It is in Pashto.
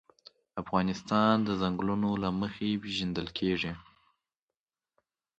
افغانستان د ځنګلونه له مخې پېژندل کېږي.